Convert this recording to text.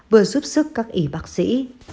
vừa giúp sức các y bác sĩ